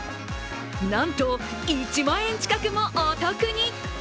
なんと１万円近くもお得に。